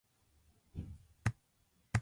そろそろ洗濯しなきゃな。